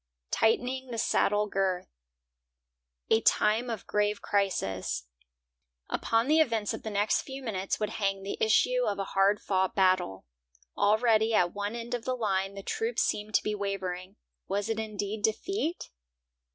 TIGHTENING THE SADDLE GIRTH A time of grave crisis; upon the events of the next few minutes would hang the issue of a hard fought battle. Already at one end of the line the troops seemed to be wavering. Was it indeed defeat?